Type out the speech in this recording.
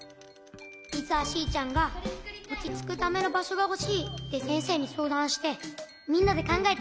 じつはシーちゃんが「おちつくためのばしょがほしい」ってせんせいにそうだんしてみんなでかんがえてつくったの。